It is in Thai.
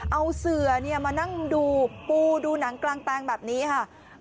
เอาเสือมานั่งดูปูดูหนังกลางแปลงแบบนี้ค่ะ